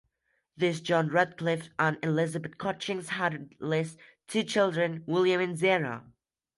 This John Ratcliffe and Elizabeth Cotchings had at least two children, William and Sarah.